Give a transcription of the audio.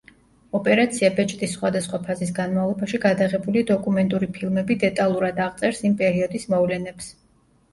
ოპერაცია ბეჭდის სხვადასხვა ფაზის განმავლობაში გადაღებული დოკუმენტური ფილმები დეტალურად აღწერს იმ პერიოდის მოვლენებს.